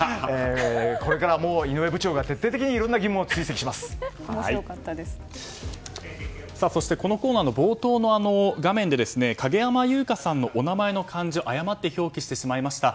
これからも井上部長が徹底的にそして、このコーナーの冒頭の画面で、影山優佳さんのお名前の漢字を誤って表記してしまいました。